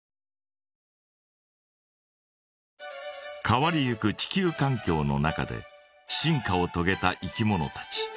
変わりゆく地球かん境の中で進化をとげたいきものたち。